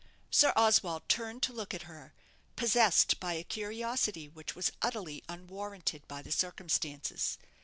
Sir Oswald turned to look at her, possessed by a curiosity which was utterly unwarranted by the circumstances.